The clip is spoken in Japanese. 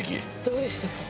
どうでしたか？